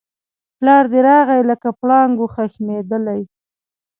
پلار دی راغی لکه پړانګ وو خښمېدلی